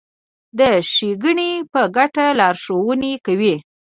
د ښېګڼې په ګټه لارښوونې کوي.